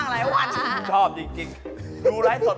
ล้อแกรอบเพศด้วย